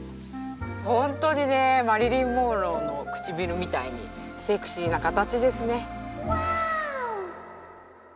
本当にマリリン・モンローの唇みたいにセクシーな形ですね。